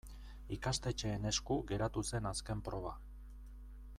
Ikastetxeen esku geratu zen azken proba.